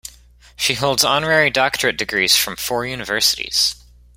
She holds honorary Doctorate degrees from four universities.